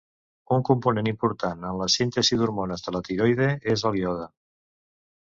Un component important en la síntesi d'hormones de la tiroide és el iode.